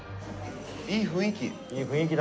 いい雰囲気。